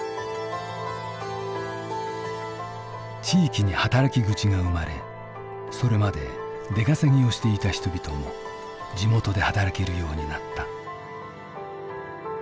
地域に働き口が生まれそれまで出稼ぎをしていた人々も地元で働けるようになった。